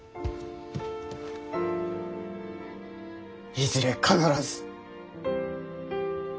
いずれ必ず！